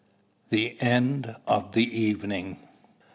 THE END OF THE EVENING.